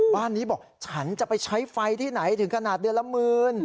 บ้านนี้บอกฉันจะไปใช้ไฟที่ไหนถึงขนาดเดือนละหมื่น